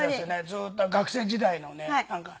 ずっと学生時代のねなんか。